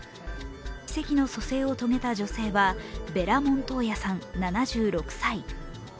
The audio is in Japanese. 奇跡の蘇生を遂げた女性はベラ・モントーヤさん７６歳。